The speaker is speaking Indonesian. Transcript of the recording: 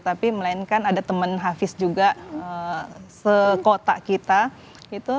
tapi melainkan ada teman hafiz juga sekotak kita gitu